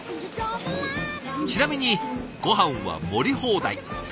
ちなみにごはんは盛り放題。